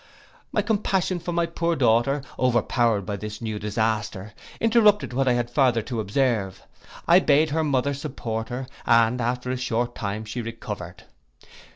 My compassion for my poor daughter, overpowered by this new disaster, interrupted what I had farther to observe. I bade her mother support her, and after a short time she recovered.